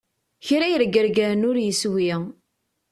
Kra yerregregren ur yeswi!